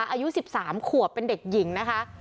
อายุ๑๓ขวบเป็นเด็กหญิงนะคะ